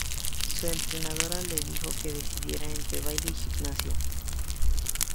Su entrenadora le dijo que decidiera entre baile y gimnasia.